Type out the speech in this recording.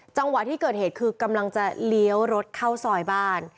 จังหวะที่เกิดเหตุคือกำลังจะเลี้ยวรถเข้าซอยบ้าน